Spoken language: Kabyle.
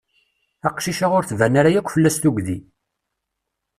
Aqcic-a ur tban ara yakk fell-as tugdi.